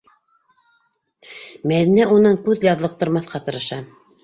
Мәҙинә унан күҙ яҙлыҡтырмаҫҡа тырыша.